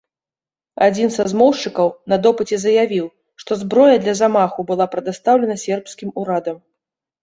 Адзін са змоўшчыкаў на допыце заявіў, што зброя для замаху была прадастаўлена сербскім урадам.